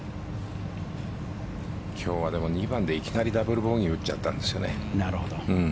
今日は２番でいきなりダブルボギーを打っちゃったんですよね。